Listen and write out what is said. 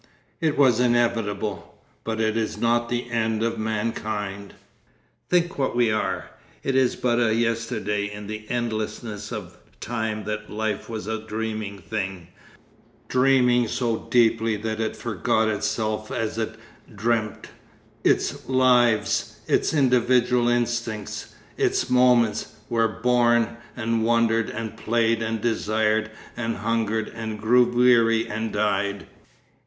It was inevitable—but it is not the end of mankind.... 'Think what we are. It is but a yesterday in the endlessness of time that life was a dreaming thing, dreaming so deeply that it forgot itself as it dreamt, its lives, its individual instincts, its moments, were born and wondered and played and desired and hungered and grew weary and died.